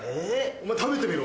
お前食べてみろ。